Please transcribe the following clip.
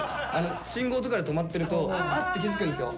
信号とかで止まってると「あ」って気付くんですよ。